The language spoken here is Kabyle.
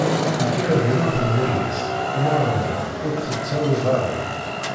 Yekker ad iruḥ yenna-as, umɣar-nni ur tt-tettawiḍ ara.